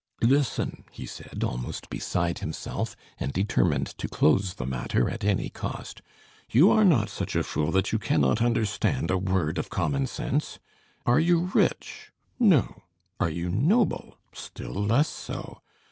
"Listen," he said, almost beside himself, and determined to close the matter at any cost. "You are not such a fool that you cannot understand a word of common sense. Are you rich? No. Are you noble? Still less so.